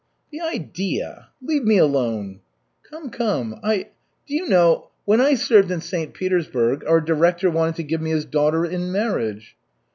"The idea! Leave me alone." "Come, come. I do you know when I served in St. Petersburg, our director wanted to give me his daughter in marriage?"